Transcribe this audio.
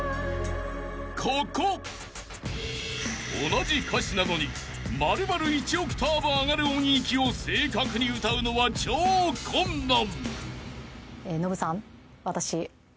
［同じ歌詞なのに丸々１オクターブ上がる音域を正確に歌うのは超困難］